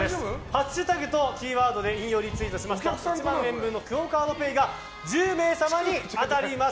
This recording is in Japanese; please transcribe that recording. ハッシュタグとキーワードで引用リツイートしますと１万円分のＱＵＯカードＰａｙが１０名様に当たります。